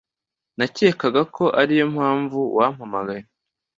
nakekaga ko ariyo mpamvu wampamagaye